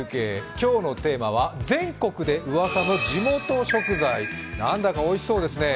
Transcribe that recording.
今日のテーマは全国でうわさの地元食材、なんだかおいしそうですね。